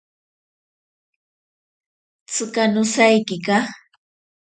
Tsika nosaikika.